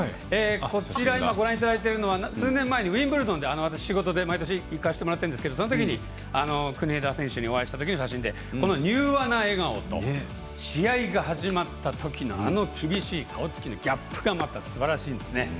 こちら今ご覧いただいているのが数年前のウィンブルドンで私、仕事で毎年行かせてもらってるんですけど国枝選手にお会いしたときの写真で、柔和な笑顔と試合が始まったときのあの厳しい顔つきのギャップがすばらしいんですね。